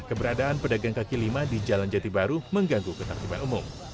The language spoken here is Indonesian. keberadaan pedagang kaki lima di jalan jati baru mengganggu ketertiban umum